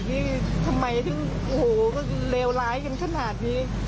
ให้ทำไมถึงโหแล้วร้ายกันขนาดนี้